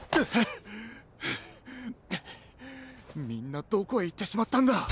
みんなどこへいってしまったんだ。